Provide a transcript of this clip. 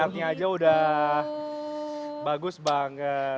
wah niatnya aja udah bagus banget